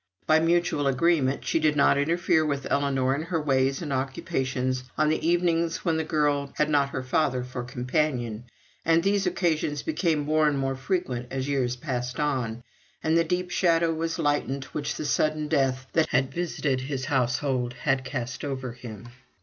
By mutual agreement she did not interfere with Ellinor and her ways and occupations on the evenings when the girl had not her father for companion; and these occasions became more and more frequent as years passed on, and the deep shadow was lightened which the sudden death that had visited his household had cast over him.